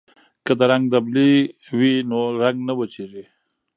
که د رنګ ډبلي وي نو رنګ نه وچیږي.